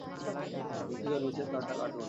দুঃখিত, নিচের তারটা কাটুন!